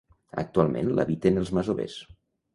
Actualment l'habiten els masovers.